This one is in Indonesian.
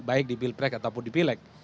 baik di pilprek ataupun di pilek